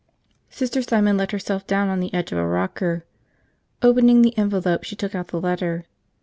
Sister Simon let herself down on the edge of a rocker. Opening the envelope, she took out the letter.